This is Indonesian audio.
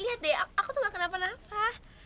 lihat deh aku tuh gak kena apa apa